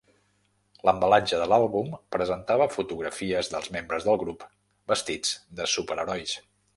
L'embalatge de l'àlbum presentava fotografies dels membres del grup vestits de superherois.